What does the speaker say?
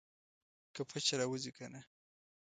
که پچه راوځي کنه.